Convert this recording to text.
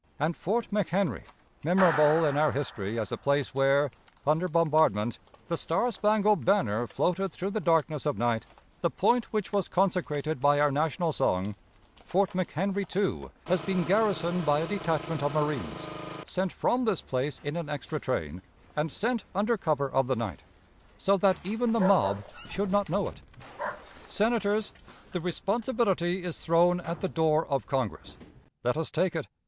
And Fort McHenry, memorable in our history as the place where, under bombardment, the star spangled banner floated through the darkness of night, the point which was consecrated by our national song Fort McHenry, too, has been garrisoned by a detachment of marines, sent from this place in an extra train, and sent under cover of the night, so that even the mob should not know it. Senators, the responsibility is thrown at the door of Congress. Let us take it.